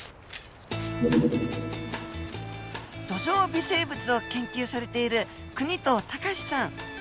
土壌微生物を研究されている國頭恭さん。